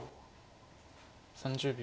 ３０秒。